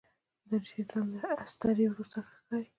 دریشي تل له استري وروسته ښه ښکاري.